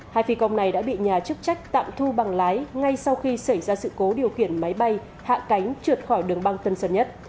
hai phi công này đã bị nhà chức trách tạm thu bằng lái ngay sau khi xảy ra sự cố điều khiển máy bay hạ cánh trượt khỏi đường băng tân sơn nhất